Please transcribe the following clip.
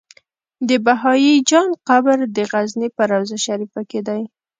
د بهايي جان قبر د غزنی په روضه شريفه کی دی